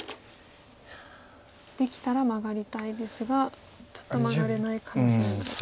できたらマガりたいですがちょっとマガれないかもしれないと。